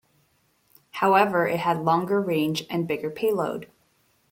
However, it had longer range and bigger payload.